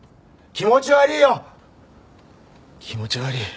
気持ち悪い。